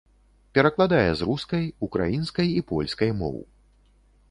Перакладае з рускай, украінскай і польскай моў.